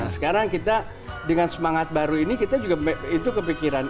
sekarang kita dengan semangat baru ini kita juga itu kepikiran